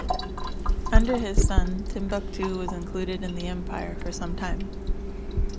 Under his son, Timbuktu was included in the empire for some time.